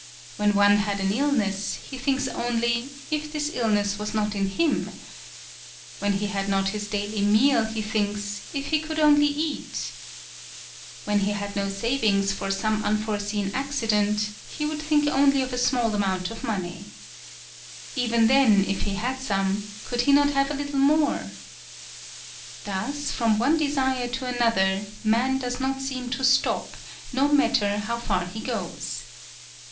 When one had an illness he thinks only, if this ill ness was not in him ! When he had not his daily meal he thinks, if he could only eat ! When he had no savings for some unforeseen accident he would think only of a small amount of money. Even then, if he had some, could he not have a little more ! Thus, from one de sire to another, man does not seem to stop, no matter how far he goes.